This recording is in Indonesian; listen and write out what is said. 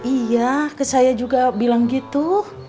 iya saya juga bilang gitu